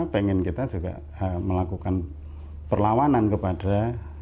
pengen kita juga melakukan perlawanan kepada